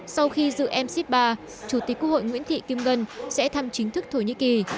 sau khi dự mc ba chủ tịch quốc hội nguyễn thị kim ngân sẽ thăm chính thức thổ nhĩ kỳ